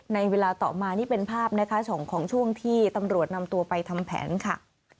ในเวลาต่อมานี่เป็นภาพนะคะสองของช่วงที่ตำรวจนำตัวไปทำแผนค่ะ